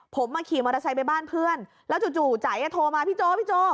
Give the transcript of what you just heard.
ผมมาขี่มอเตอร์ไซค์ไปบ้านเพื่อนแล้วจู่ใจโทรมาพี่โจพี่โจ